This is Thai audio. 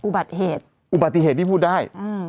อุบัติเหตุที่พูดได้